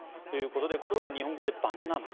これは日本語でバナナマン。